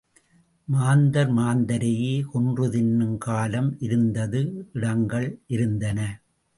மாந்தர் மாந்தரையே கொன்று தின்னும் காலம் இருந்தது இடங்கள் இருந்தன.